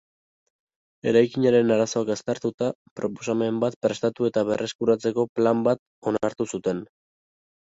Eraikinaren arazoak aztertuta, proposamen bat prestatu eta berreskuratzeko plan bat onartu zuten.